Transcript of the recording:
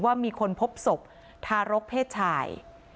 ว่ามีคนพบศพทารกเพศชาย